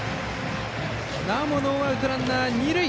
なおもノーアウトランナー、二塁。